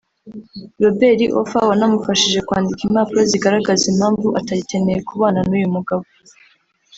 Robert Offer wanamufashije kwandika impapuro zigaragaza impamvu atagikeneye kubana n’uyu mugabo